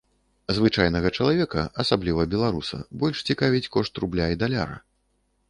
Звычайнага чалавека, асабліва беларуса, больш цікавіць кошт рубля і даляра.